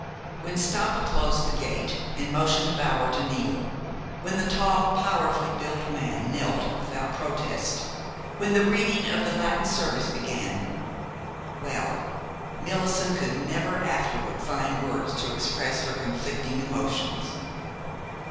When Stampa closed the gate and motioned Bower to kneel, when the tall, powerfully built man knelt without protest, when the reading of the Latin service began, well, Millicent could never afterward find words to express her conflicting emotions.